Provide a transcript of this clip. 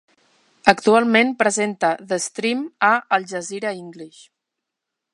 Actualment, presenta "The Stream" a Al Jazeera English.